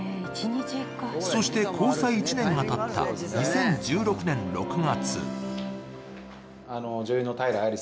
そして、交際１年がたった２０１６年６月。